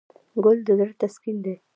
ګل د زړه تسکین دی.